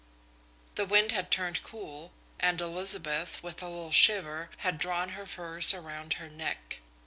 The wind had turned cool, and Elizabeth, with a little shiver, had drawn her furs around her neck.